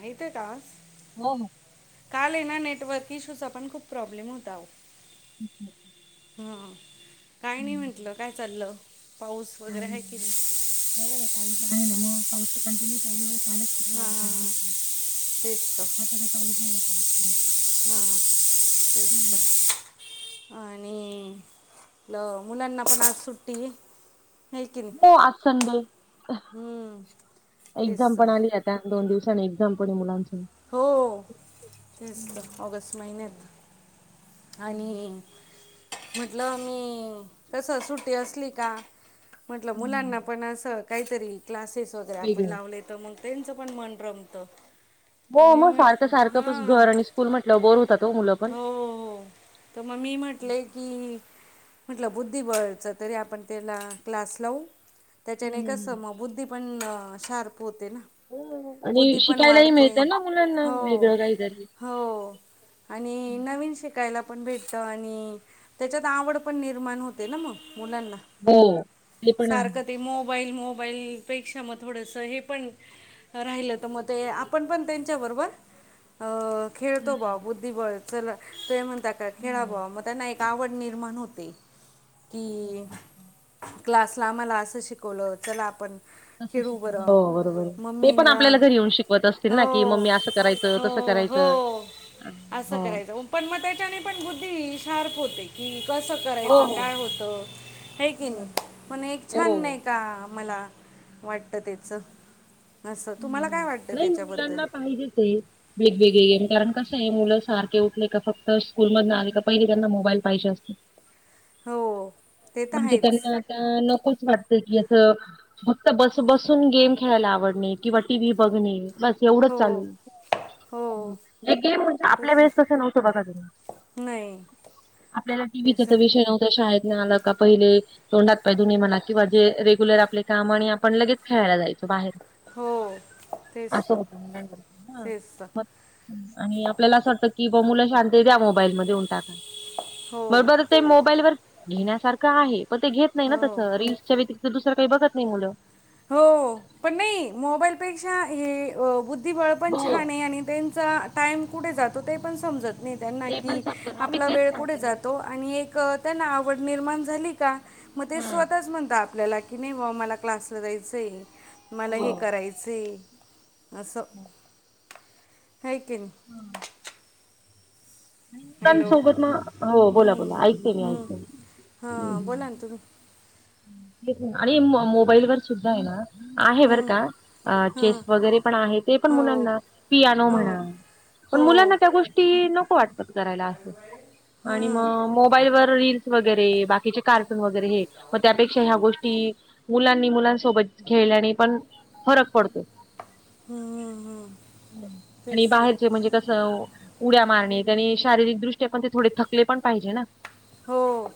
येतोय का आवाज? हो, हो. का काल ये ना नेटवर्क इशूचा पण खूप प्रॉब्लेम होता आओ. [inaudible] हा काय नाही हं. म्हंटलं काय चाललं, पाऊस वगैरे आहे की नाही? हो पाऊस आहे ना, हो पाऊस तर कंटिन्यू चालू आहे ओ. हा, तेच त आता चालुचं राहिल हा पाऊस पुढं. हा तेच त. आणि आपलं मुलांना पण आज सुट्टी है की नाही हो आज संडे, हम्म. तेच एक्झाम पण तर आली आत ता, दोन दिवसाांनी एक्झाम पण ये मुलांची. हो तेच तर, ऑगस्ट महिन्यात. हो. आणि हं. म्हटलं मी कसं सुट्टी असली का म्हटलं हं. मुलांना पण असं काहीतरी क्लासेस वगैरे आपण वेगळं. लावले त मग त्यांचं पण मन रमतं. तर हो मी म म्हटलं सारखं-सारखं त हां घरं आणि स्कूल म्हटल्यावर बोर होतात हो मुलं पण. हो-हो, त मग मी म्हटले की म्हटलं बुद्धिबळचं तरी आपण त्याला क्लास लावू. हं, त्याच्याने हं, कसं हं. मं बुद्धी पण शार्प होते ना. आणि बुद्धी पण शिकायलाही वाढते मिळत ना मुलांना हो वेगळं काही तरी. हो. आणि नवीन शिकायला पण भेटतं आणि- त्याच्यात आवड पण निर्माण होते ना म मुलांना. हो. ते पण आहे. सारखं ते मोबाईल मोबाईलपेक्षा मग थोडंसं हे पण- राहिलं तर म ते आपण पण त्यांच्या बरोबर अ- खेळतो हम्म. ब्वा बुद्धीबळ. चला ते म्हणता का खेळा हो, बुवा. म त्यांना एक - तावड निर्माण होते तेच की- ना. क्लासला आम्हाला असं शिकवलं. चला आपण- खेळू हो बरं बरोबरए. ते पण आपल्याला मम्मीला घरी येऊन शिकवत असतील ना की हो मम्मी असं करायचं तसं हो करायच. हो. असं करायचं. पण मग त्याच्याने पण बुद्धी शार्प होते की कसं- हो करायचं? हो काय होतं आहे की हम्म. नाही? पण एक छान हो नाही का मला- वाटत तेच. हम्. नाही मुलांना पाहिजेच ए. वेगवेगळे गेम. कारण कसं आहे मुलं सारखे उठले का फक्त स्कूल मधन आले का पहिले त्यांना मोबाईल पाहिजे असतो. हो ते तर म्हणजे आहेच त्यांना - का नकोच वाटत की असं फक्त बस बसून गेम खेळायला आवडणे. किंवा टी व्ही बघणे. बस एवढंच हो चालू [unintelligible] हो जे गेम म्हणजे, आपल्या तेच तर. वेळेस तसं नव्हतं बघा तुम्ही. नाही. आपल्याला टी व्ही तेच तर. चा विषय नव्ह - -ता. शाळेतन आलं का पहिले तोंड हात पाय धुवून ये म्हणा किंवा जे रेग्युलर आपले काम आणि आपण लगेच- खेळायला जायचो बाहेर. हो. तेच असं तर. होत मुलां [unintelligible] तेच तर. ना आणि आपल्याला असं वाटतं कि बुवा मुलं शांत ए द्या मोबाईल म देऊन टाका. हो म परत - ते मोबाईल वर घेण्यासारखं आहे. पण ते घेत नाही ना हो तसं. रील्सच्या व्यतिरिक्त दुसरं काही बघत नाही मुलं. हो. पण नाही मोबाईलपेक्षा हे अ बुद्धिबळ पण छान आहे आणि त्यां - -चा टाईम कुठे जातो ते पण समजत नाही त्यांना की आपला वेळ कुठे जातो? आणि एक त्यांना आवड निर्माण झाली का? मग ते स्वतःच म्हणतात- आपल्याला की नाही बुवा मला क्लासला जायचय. मला हे करायचय. असं. हाय की नाही? आणि हॅलो मुलांसोबत म, हो बोला हम्म, बोला. ऐकतेय मी हम्म. ऐकते. हम्म. हम्म. [unintelligible] आणि मोबाईल वर सुद्धा ए ना? आहे बर हम्म, का. अ हां चेस वगैरे पण आहे. ते पण हो मुलांना पियानो हो म्हणा. पण हो मुलांना त्या गोष्टी नको वाटतात करायला असं आणि हां मग मोबाईलवर रील्स - वगैरे. बाकीचे कार्टून वगैरे हे. मग त्यापेक्षा ह्या गोष्टी मुलांनी मुलां - -सोबत खेळल्याने पण फरक पडतो. हम्म. हम्म. हं. तेच आणि तर बाहेरचे म्हणजे- कस उड्या मारणे त्यानी शारीरिकदृष्ट्या पण ते थोडे थकले पण पाहिजे ना? हो.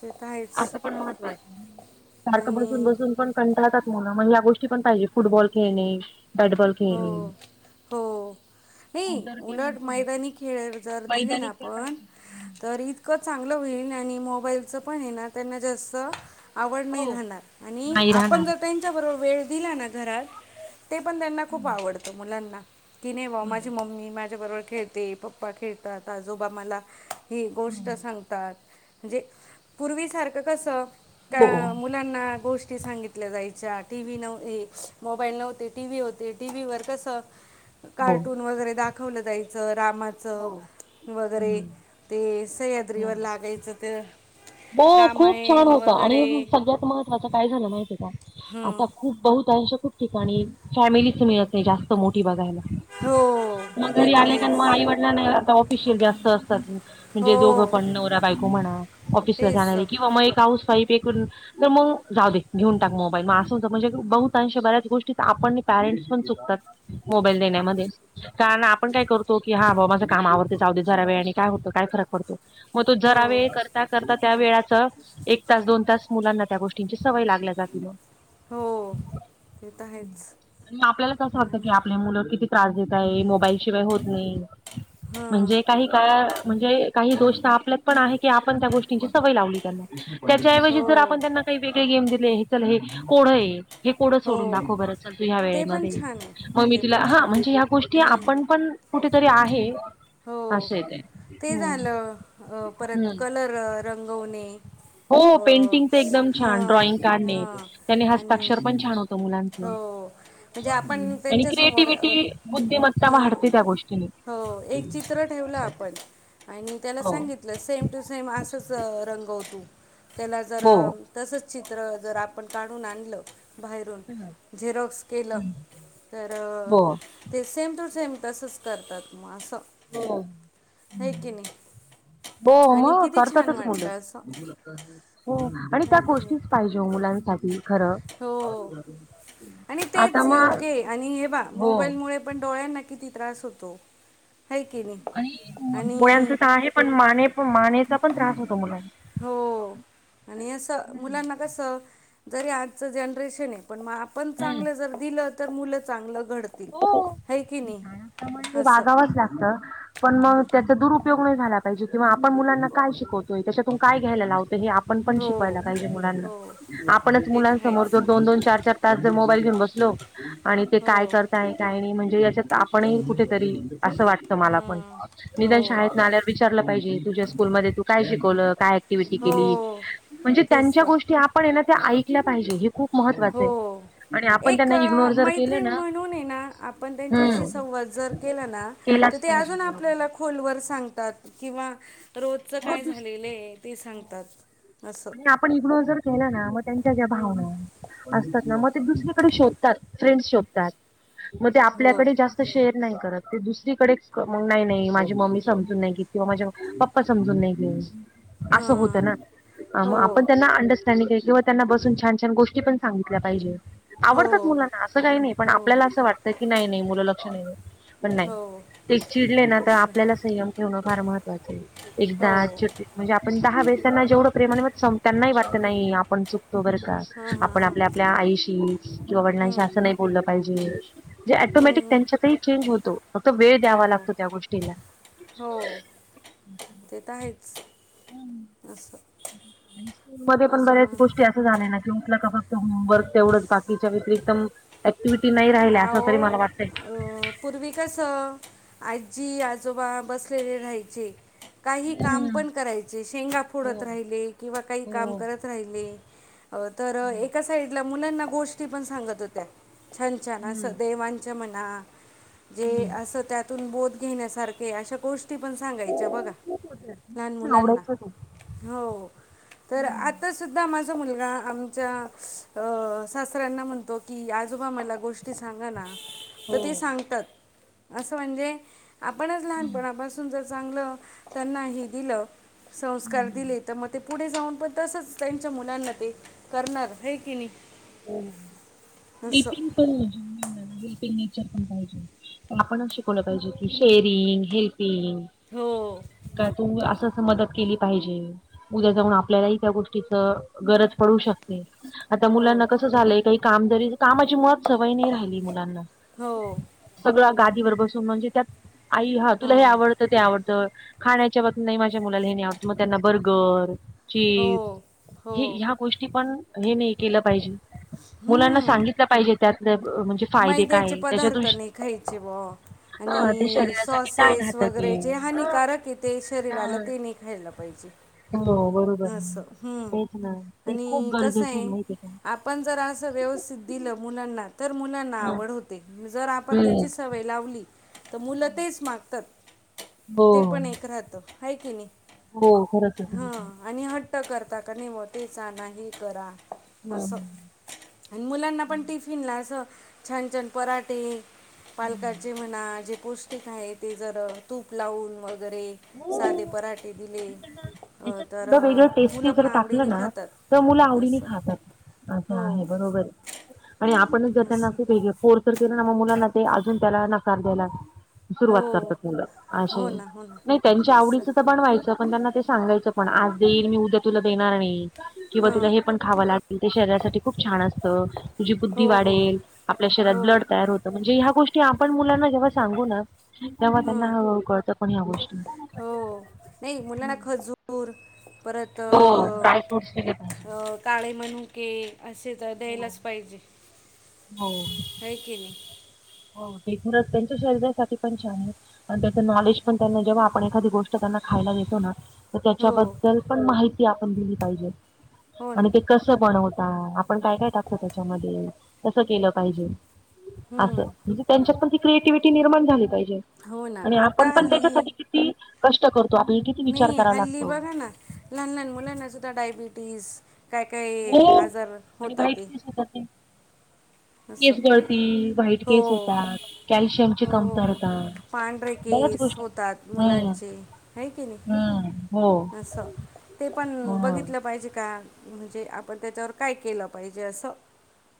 ते तर आहेच. सारखं बसून आणि बसून- पण कंटाळतात मुलं मग या गोष्टी पण पाहीजे फुटबॉल खेळणे बॅटबॉल खेळणे. नाई उलट मैदानी खेळ जर दिले ना आपण तरी इतकं चांगलं होईल आणि मोबाईलचं पण ए ना त्यांना जास्त आवड हो नाय राहणार. आणि नाही आपण राहणार जर त्यां च्या बरोबर वेळ दिला ना घरात ते पण त्यांना खूप आवडतं मुलांना. कि नाय बॉ माझी मम्मी माझ्या बरोबर खेळते पप्पा खेळतात आजोबा मला ही गोष्ट सांगतात म्हणजे पूर्वी सारखं कसं हो त्या मु लांना गोष्टी सांगितल्या जायच्या टी व्ही नव मोबाईल नव्हते टी व्ही होते. टी व्ही वर कसं हो कार्टून वगैरे दाखवलं जायचं रामाचं. हो वगैरे ते हो सह्याद्रीवर लागायचं ते. हो खूप छान रामायण होतं आणि वगैरे सगळ्यात महत्त्वाचं काय झालं माहिती आय का? आता हं. खूप बहुतांश खूप ठिकाणी फॅमिलीच मिळत नाय जास्त मोठी बघायला. हो. मगं ते घरी तर आले का म आहेच आईवडीलाना आता ऑफिशियल जास्त असतात. हो म्हणजे दोघं पण नवरा बायको म्हणा ऑफिसला तेच जाणारी तर. किंवा मग एक हाऊस वाईफ ऐकून तर मग जाऊ दे घेऊन टाक मोबाईल मग असं म्हणजे बहुतांश बऱ्याच गोष्टी आपण पॅरेंट्स पण चुकतात. मोबाईल देण्यामध्ये. कारण आपण काय करतो की हा बा माझं काम आवरत जाऊदे जरावेळनी आणि काय होतं काय फरक पडतो. म तो हो जरा वेळ कर त्या वेळाच एक तास दोन तास मुलांना त्या गोष्टींची सवय लागल्या जाती म. हो ते तर आहेच अन् म आपल्याला तसं हा वाटत कि ना. आपल्या मुलं किती त्रास देताय मोबाईल शिवाय होत नाय हं. म्हणजे काही काळ म्हणजे काही दोष आपल्यात पण आहे की आपण त्या गोष्टींची सवय लावली त्यांना त्याच्याऐवजी जर आपण हो त्यांना काही वेग ळे -गेम दिले हे चल हे कोड हे-हे हो सोडून दाखवं बरं चल तू ह्या ते पण वेळेमध्ये. छान आहे म- मी ते तुला पण हा छान म्हणजे आहे ह्या गोष्टी हम्म. आपण पण कुठेतरी आहे. हो असं आहे ते. ते हम्म झालं परत हम्म कलर रंगवणे. हो अ [inaudible] पेंटिंगच एकदम हा छान ड्रॉइंग काढणे हा. त्याने आणि हस्ताक्षर पण छान होतं हो. मुलांचं. म्हणजे हम्म. आपण आणि त्यांच्या समोर क्रिएटिव्हटी बुद्धिमत्ता ह वाढते त्या गोष्टीने. हो एक चित्र ठेवलं आपण. आणि त्याला हो सांगितलं सेम टू सेम असंच रंगव तू. त्याला जर हो तसचं चित्र जर आपण काढून आणलं बाहेरून झेरॉक्स केलं तर हो ते सेम टू सेम तसंच करतात मग असं. हो. हाय कि नाई? हो म करतातच असं मुलंच हो आणि त्या हे की नाही गोष्टी पाहिजे वो मुलांसाठी. खरं हो आणि आता तेच मग योग्य ए आणि हे बा हो मोबाईलमुळे पण डोळ्याना किती त्रास होतो. है की नाही आणि आणि डोळयांचा तर आहे पण माने मानेचा पण त्रास होतो मुलांसनी. हो आणि असं मुलांना कसं जरी आजचं जनरेशन ए पण मग आपण चांगलं जर दिलं तर मुलं चांगलं घड हो काळा प्रमाणे असं वागावचं लागतं. पण मग त्याचा दुरुपयोग नाही झाला पाहिजे किंवा आपण मुलांना काय शिकवतोय त्याच्यातून काय घ्यायला लावतो हे आ आपण पण हो शिकवायला पाहिजे मुलांना हो आपणच ते तर मुलां आहेच समोरो दोन दोन चार चार. मोबाईल घेऊन बसलो आणि ते काय हो करताय काय नाही. मी म्हणजेच्यातआपण कुठेतरी असं वाटतं मला पण हां निदान हो शाळेतणं आल्यावर विचारलं पाहिजे तुझ्या स्कूल मध्ये तू काय शिकवलं काय ऍक्टिव्हिटी हो केली म्हणजे तेच त्यांच्या तर गोष्टी आपण ना ऐकल्या पाहिजे खूप. हो महत्त्वाचं आहे आणि आपण एक त्यांना इग्नोर जर केलं मैत्रीण ना ये ना. आपण त्यांच्याशी हम्म संवाद जर केला ना तर केलाच ते पाहिजे अजून बरोबर आपल्याला. खोलवर सांगतात किंवा रोजच मग काय दुस झालेलं ते सांगतात. असं आणि आपण इग्नोर जर केला ना मग त्यांच्या ज्या हं. भावना असतात ना मग ते दुसरीकडे शोधतात फ्रेंड शोधतात मग ते हो आपल्याकडे जास्त शेअर नाही करत ते दुसरीकडे मग नाही माझी मम्मी समजून नाही किंवा माझ्या समजून नाहीे घेत असं होत हां ना, अं हो मग आपण त्यांना अंडज किंवा त्यांना बसून छानछान गोष्टी पण सांगितल्या पाहिजे. आवडतात हो मुलांना असं काही नाही पण हो आपल्याला असं वाटतं की नाही नाही मुलं लक्ष नाही देत. पण नाही हो ते चिडले ना तर आपल्याला संयम ठेवणं फार महत्त्वाचं आहे. एकदा हो [unintelligible] म्हणजे आपण दहा वेळेस त्यांना जेवढं प्रेमाने म त्यांनाही वाटत नाही आपण चक हो बर का हां हां आपण हां आपल्या आपल्या आईशी किंवा वडिलांशी असं नाही बोललं पाहिजे. जे हं, आटोमॅटिक हं. त्यांच्यातही चेंज होतो फक्त वेळ हो द्यावा लागतो त्या गोष्टीला हो ते तर आहेच हम्म असं, आणि स्कूल मध्ये पण बऱ्याच अजून गोष्टी असतात. ना कीठलं का फक्त होमवर्क तेवढंच बाकीच्या व्यतरिक्त [inaudible] ऍक्टिव्हटी नाही राहिल्या असं आहो तरी मला वाटतं. अ, पूर्वी कस आजी आजोबा बसलेले राहायचे. काही काम हम्म पण करायचे, शेंगा फोडत हो राहिले किंवा काही काम हो करत राहिली, तर एका साइडला मुलांना गोष्टी पण सांगत होत्या छ ज्यांना असं हम्म देवांचं म्हणा जे हम्म. अस त्यातून बोध घेण्यासारखे अशा गोष्टी पण सांगायच्या बघा खूप होत लहान मुलांना. आवडायचंच आहे. हो.. तर हम्म, आता सुद्धा माझा मुलगा आमच्या अ सासऱ्यांना म्हणतो. कि आजोबा मला गोष्ट सांगा ना तर हो ते सांगतात असं म्हणजे आपणच हम्म लहानपणापासून, तुम्ही जर चांगलं त्यांना हे दिलं संस्कार हम्म दिले. तर मग ते पुढे जाऊन पण तसंच त्यांच्या मुलांना ते करणार होय की नाही. हो नितीन [inaudible] [unintelligible] आपण शिकवलं पाहिजे सेविंग हे हो काय तुम्ही असं मदत केली पाहिजे. उद्या जाऊन आपल्यालाही त्या गोष्टीच गरज पडू शकते. आता हो मुलांना कसं झालंय काही कामदरी कामाची मुळात सवय नाही राहिली मुलांना. हो सगळं गादीवर बसून म्हणजे त्यात आई हा तुला हे हो आवडतं ते आवडत. खाण्याच्या बाबतीत नाही माझ्या मुलाला हे नाही आवडतो मग त्यांना बर्गर की हो हो हे ह्या गोष्टी पण हे नाही केलं पाहिजे. मुलाना हम्म सांगितलं पाहिजे त्या मैद्याचे पदार्थ नाही खायचे बोवा. ते आणि शरीरासाठी काय सॉसेस घातक वगैरे आहे. जे हानिकारक येते शरीराला ते नाही खायला पाहिजे. हॅलो, बरं असं हम्म, खूप आणि कस गरजेचे आहे माहिती आहे का? आप आपण जर असं व्यवस्थित दिलं मुलांना तर मुलांना हा आवड होते जर आपण त्याची हम्म. सवय लावली तर मुलं तेच मागतात हो ते पण एक राहत. हाय की नाही? हो खरंच आहे, खरच हे. हां आणि हट्ट करता का निहा ते सांगा हे करा असं. हम्म. आणि मुलांना पण टिफिन ला असं छान, छान पराठे पालकाचे म्हणा जे पौष्टिक आहे ते जर तूप लावून वगैरे साधे हो पराठे दिले तर वेगळ अ, मुलं टेस्टी पण जर टाकलं आवडीने ना तर मुलं खातात आवडीने असं खात असं हो आहे बरोबर हे आणि आपणच जर त्यांना असं वेगळे कोर्सर केलं ना म मुलांना ते अजून त्याला नकार द्यायला हो सुरुवात करतात मुलं असे हो हे ना हो ना नाही त्यांच्या तेच आवडीचं तर बनवायचं पण त्यांना ते सांगायचं पण आज देईन मी उद्या तुला देणार नाही. किंवा तुला हां हे पण खावं लागेल. ते शरीरासाठी खूप छान असतं, तुझी बुद्धी हो हो वाढेल, आपल्या शरीरात हो ब्लड तयार होत. म्हणजे ह्या गोष्टी आपण मुलांना जेव्हा सांगू ना तेव्हा त्यांना हां कळतं पण ह्या गोष्टी. हो नाही मुलांना खजूर परत हो ड्राय अ काळे मनु के असे तर द्यायलाच पाहिजे हो हे की नाही. हो त्यांच्या शरीरासाठी पण छान हे. आणि त्याच नॉलेज पण जेव्हा आपण एखादी त्यांना खायला देतोना. हो त्याच्याबद्दल पण माहिती आपण दिली पाहिजे हो ना आणि कसं बनवता, आपण काय, काय टाकतो त्याच्यामध्ये, कसं केलं पाहिजे. असं हम्म. म्हणजे त्यांच्यात पण ती क्रिएटिव्हिटी निर्माण झाली पाहिजे हो ना आणि आता आपण पण हल्ली त्याच्यासाठी किती कष्ट करतो आपल्याला किती विचार नाही करावा हल्ली लागतो. बघा लहान, लहान मुलांना सुद्धा डायबिटीस काय, काय हो आजार आणि होतात व्हाईट ते. केस होतात ते [inaudible] केस गळती, वाईट हो केस होतात, कॅल्शियम हो कमतरता. पांढरे बऱ्याच केस गोष्टी होतात हम्म मुलांचे आहे की नाही? हम्म हो असं ते पण हम्म. बघितलं पाहिजे का म्हणजे आपण त्याच्यावर काय केलं पाहिजे असं.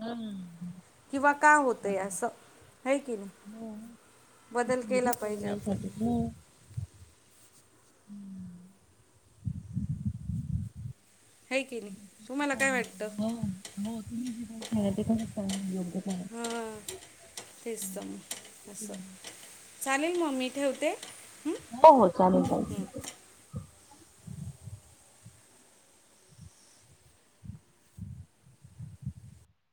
हम्म. किंवा का होतंय असं हे की नाही? हो ते बदल केला पाहिजेच आहे पाहिजे आपण. मुलांसाठी हो. हाय की नाही तुम्हाला काय चालेल वाटतं? चालेल. हो हो तुम्ही जे पण ते पणच योग्य करा हां [unintelligible] तेच तर मग असं, चालेल मग मी ठेवते हं? हो हो चालेल हो.